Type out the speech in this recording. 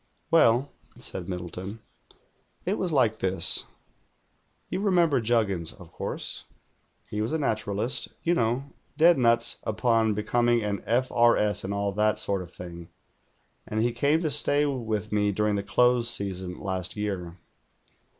"Well," said Middleton. "It was like this. You remember Juggins, of course.'* He was a naturalist, you know, dead nuts upon becoming an F. R. S. and all that sort of thing, and he came to stay with me during the close season* last year.